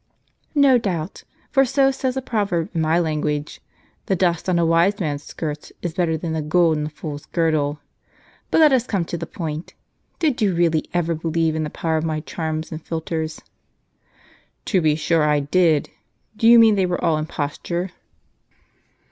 "No doubt; for so says a proverb in my language : 'the dust on a wise man's skirts is better than the gold in the fool's girdle.' But let us come to the point ; did you really ever believe in the power of my charms and philters? " "To be sure I did ; do you mean they were all imposture